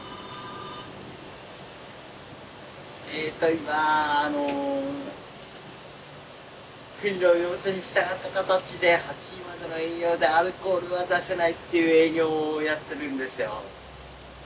☎今国の要請に従った形で８時までの営業でアルコールは出せないっていう営業をやってるんですよ。